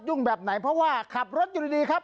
แบบไหนเพราะว่าขับรถอยู่ดีครับ